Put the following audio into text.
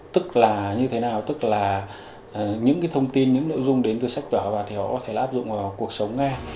tức là như thế nào tức là những cái thông tin những nội dung đến từ sách vở và thì họ có thể áp dụng vào cuộc sống nghe